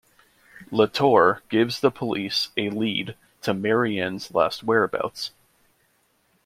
LeTour gives the police a lead to Marianne's last whereabouts.